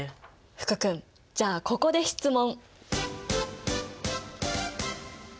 福くんじゃあここで質問。